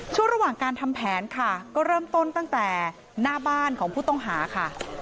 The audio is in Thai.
ช่วงระหว่างการทำแผนค่ะก็เริ่มต้นตั้งแต่หน้าบ้านของผู้ต้องหาค่ะ